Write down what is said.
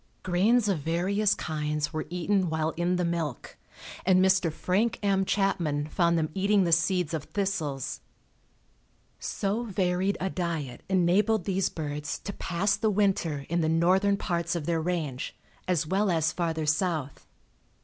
Grains of various kinds were eaten while in the milk, and Mr. Frank M. Chapman found them eating the seeds of thistles. So varied a diet enabled these birds to pass the winter in the northern parts of their range as well as farther south.